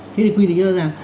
thế thì quy định rất là ràng